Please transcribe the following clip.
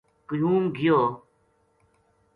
قیوم گیو